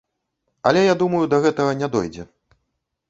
Але я думаю, да гэтага не дойдзе.